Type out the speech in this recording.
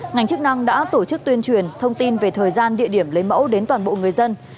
ngành chức năng đã tổ chức tuyên truyền thông tin về thời gian địa điểm lấy mẫu đến toàn bộ người dân